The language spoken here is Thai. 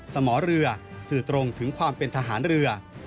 สมอเรือสื่อตรงถึงความเป็นทหารเรือ